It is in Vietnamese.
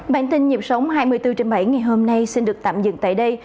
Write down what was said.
bản tin nhịp sống hai mươi bốn trên bảy ngày hôm nay xin được tạm dừng tại đây